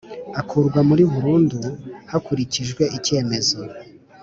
akurwa muri burundu hakurikijwe icyemezo